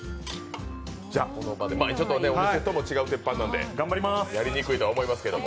お店とも違う鉄板なのでやりにくいと思いますけど。